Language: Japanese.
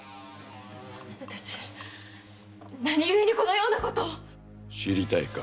あなたたち何故にこのようなことを⁉知りたいか？